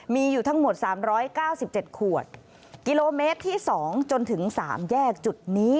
มีอยู่ทั้งหมด๓๙๗ขวดกิโลเมตรที่๒จนถึง๓แยกจุดนี้